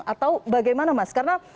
atau bagaimana mas karena